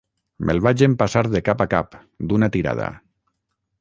Me’l vaig empassar de cap a cap, d’una tirada.